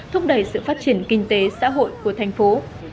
thúc đẩy sự phát triển kinh tế xã hội của thành phố